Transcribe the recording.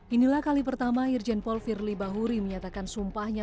inilah kali pertama irjen paul firly bahuri menyatakan sumpahnya